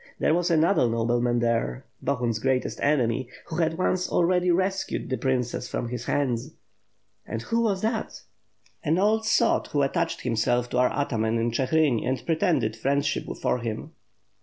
There was another nobleman there, Bohun's greatest enemy; who hand once already rescued the princess from his hands." "And who was that?" WITH FIRE AND SWORD, 649 "An old sot, who attached himself to our ataman in Chi grin and pretended friendship for him."